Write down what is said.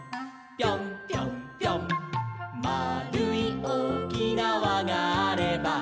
「まあるいおおきなわがあれば」